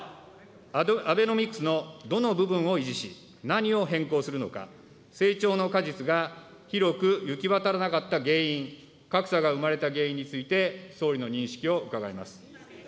アベノミクスのどの部分を維持し、何を変更するのか、成長の果実が広く行き渡らなかった原因、格差が生まれた原因について、総理の認識を伺います。